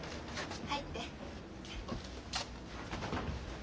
入って。